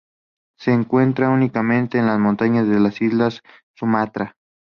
Se encuentra únicamente en las montañas de la isla de Sumatra.